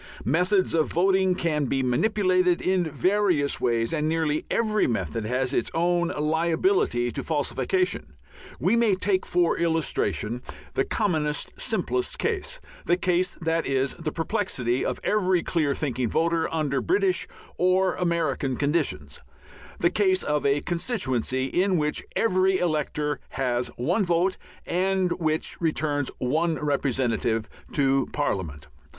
Methods of voting can be manipulated in various ways, and nearly every method has its own liability to falsification. We may take for illustration the commonest, simplest case the case that is the perplexity of every clear thinking voter under British or American conditions the case of a constituency in which every elector has one vote, and which returns one representative to Parliament.